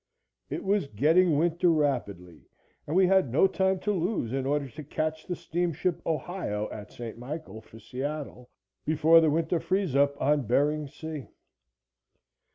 It was getting winter rapidly and we had no time to lose in order to catch the steamship "Ohio," at St. Michael, for Seattle, before the winter freeze up on Bering Sea.